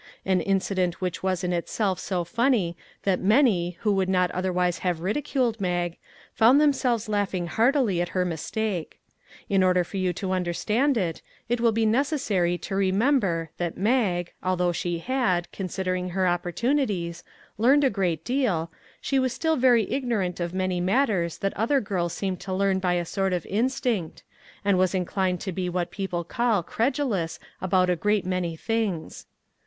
An incident which was in itself so funny that many, who would not otherwise have ridiculed Mag, found themselves laughing heartily at her mistake. In order for you to understand it, it will be necessary to remember that Mag, although she had, considering her opportuni ties, learned a great deal, was still very ignor 326 MAG'S WAGES ant of many matters that other girls seem to learn by a sort of instinct, and was inclined to be what people call credulous about a great many things.